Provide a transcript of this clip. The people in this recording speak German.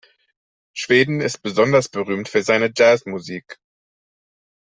Schweden ist besonders berühmt für seine Jazz-Musik.